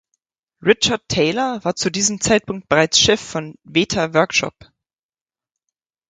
Richard Taylor war zu diesem Zeitpunkt bereits Chef von Weta Workshop.